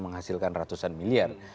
menghasilkan ratusan miliar